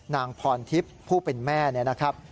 นางพรทิพย์ผู้เป็นแม่เนี่ยนะครับ